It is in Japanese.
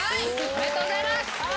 おめでとうございます。